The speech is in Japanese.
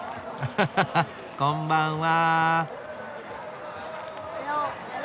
おこんばんは。